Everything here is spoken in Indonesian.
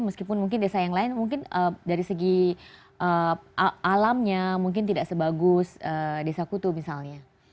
meskipun mungkin desa yang lain mungkin dari segi alamnya mungkin tidak sebagus desa kutu misalnya